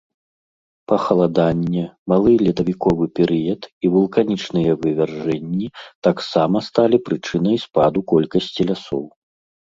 Пахаладанне, малы ледавіковы перыяд і вулканічныя вывяржэнні таксама сталі прычынай спаду колькасці лясоў.